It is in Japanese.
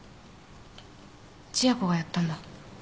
千夜子がやったんだ。